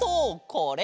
これ。